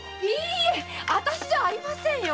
いいえわたしじゃありませんよ。